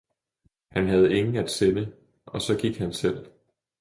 han havde ingen at sende, og så gik han selv.